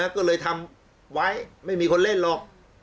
ก็เลยทำไว้ไม่มีคนเล่นหรอก